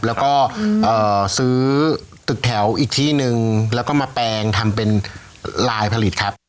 แล้วก็ซื้อตึกแถวอีกที่นึงแล้วก็มาแปลงทำเป็นลายผลิตครับ